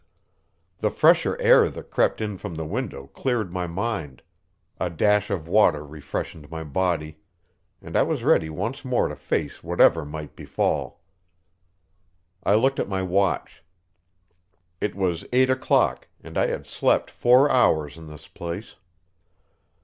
The fresher air that crept in from the window cleared my mind, a dash of water refreshed my body, and I was ready once more to face whatever might befall. I looked at my watch. It was eight o'clock, and I had slept four hours in this place.